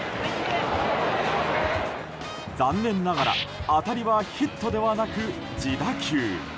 残念ながら、当たりはヒットではなく自打球。